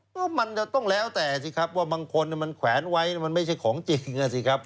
ก็มันจะต้องแล้วแต่สิครับว่าบางคนมันแขวนไว้มันไม่ใช่ของจริงอ่ะสิครับ